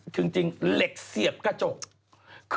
จริงเหล็กเสียบกระจก